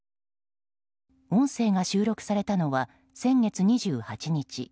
音声が収録されたのは先月２８日。